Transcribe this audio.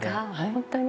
本当に？